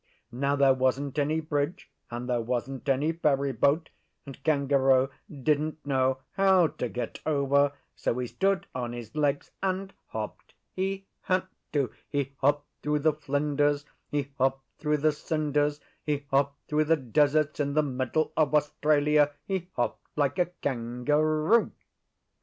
Now, there wasn't any bridge, and there wasn't any ferry boat, and Kangaroo didn't know how to get over; so he stood on his legs and hopped. He had to! He hopped through the Flinders; he hopped through the Cinders; he hopped through the deserts in the middle of Australia. He hopped like a Kangaroo.